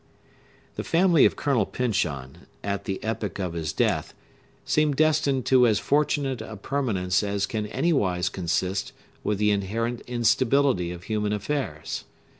The family of Colonel Pyncheon, at the epoch of his death, seemed destined to as fortunate a permanence as can anywise consist with the inherent instability of human affairs.